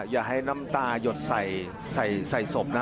อย่าให้น้ำตายดใส่ศพนะ